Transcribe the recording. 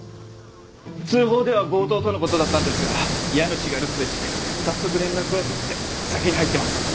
通報では強盗との事だったんですが家主が留守でして早速連絡を取って先に入ってます。